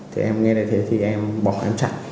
thì em nghe thấy thế thì em bỏ em chạy